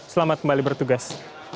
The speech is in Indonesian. selamat kembali bertugas